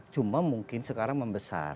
cuma mungkin sekarang membesar